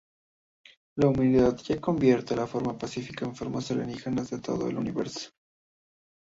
La humanidad ya convive de forma pacífica con formas alienígenas de todo el universo.